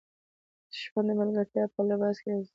دښمن د ملګرتیا په لباس کې راځي